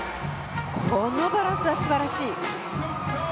このバランスは素晴らしい。